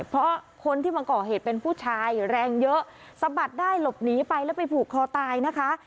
เพราะคนที่มาก่อเหตุเป็นผู้ชายแรงเยอะสะบัดได้หลบหนีไปแล้วไปผูกคอตายนะคะ